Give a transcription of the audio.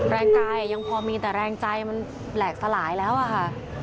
แรงกายยังพอมีแต่แรงใจมันแหลกสลายแล้วอะค่ะ